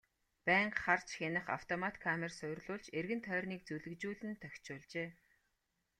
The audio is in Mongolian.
Байнга харж хянах автомат камер суурилуулж эргэн тойрныг зүлэгжүүлэн тохижуулжээ.